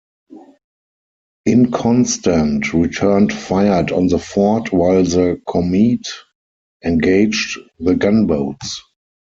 "Inconstant" returned fired on the fort while the "Comete" engaged the gunboats.